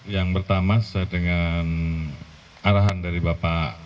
yang pertama sesuai dengan arahan dari bapak